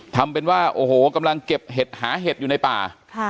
ทำเป็นว่าโอ้โหกำลังเก็บเห็ดหาเห็ดอยู่ในป่า